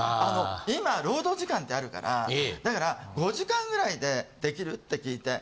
今労働時間ってあるからだから５時間ぐらいでできるって聞いて。